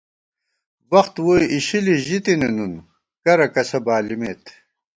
وخت ووئی اِشِلی ژِتِنی نُن، کرہ کسہ بالِمېت